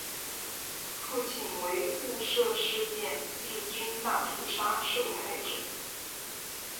父亲为雾社事件日军大屠杀受害者。